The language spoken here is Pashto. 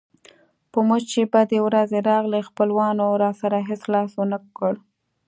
په موږ چې بدې ورځې راغلې خپلوانو راسره هېڅ لاس ونه کړ.